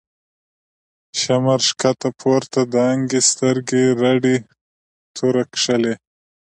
” شمر” ښکته پورته دانگی، سترگی رډی توره کښلی